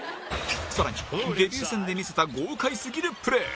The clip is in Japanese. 更にデビュー戦で見せた豪快すぎるプレー